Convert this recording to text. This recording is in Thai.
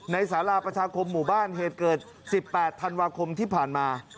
สาราประชาคมหมู่บ้านเหตุเกิด๑๘ธันวาคมที่ผ่านมา